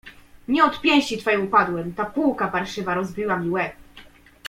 "Nie od pięści twej upadłem, ta półka parszywa rozbiła mi łeb."